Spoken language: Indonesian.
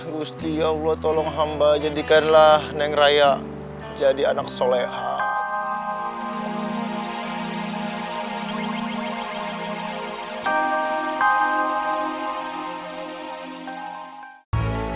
gusti allah tolong hamba jadikanlah neng raya jadi anak solehan